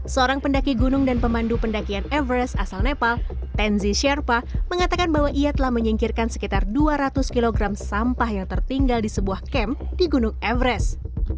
seorang pendaki gunung dan pemandu pendakian everest asal nepal tenzi sherpa mengatakan bahwa ia telah menyingkirkan sekitar dua ratus kg sampah yang tertinggal di sebuah camp di gunung everest